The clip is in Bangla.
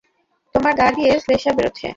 তোমার গা দিয়ে শ্লেষ্মা বেরোচ্ছে।